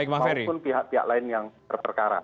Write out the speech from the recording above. maupun pihak pihak lain yang berperkara